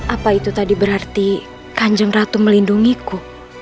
apa itu tadi berarti kanjeng ratu melindungiku